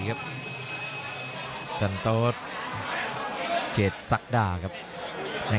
กำปั้นขวาสายวัดระยะไปเรื่อย